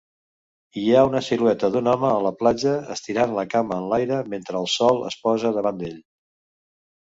Hi ha una silueta d'un home a la platja estirant la cama en l'aire mentre el sol es posa davant d'ell.